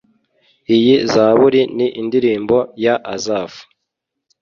iyi zaburi ni indirimbo ya asafu